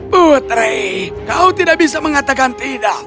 putri kau tidak bisa mengatakan tidak